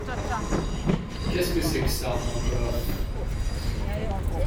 Qu’est-ce que c’est que ça, encore?